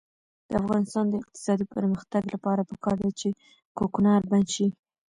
د افغانستان د اقتصادي پرمختګ لپاره پکار ده چې کوکنار بند شي.